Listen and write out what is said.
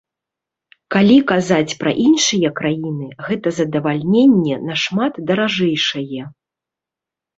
Калі казаць пра іншыя краіны, гэтае задавальненне нашмат даражэйшае.